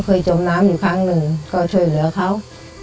จมน้ำอยู่ครั้งหนึ่งก็ช่วยเหลือเขา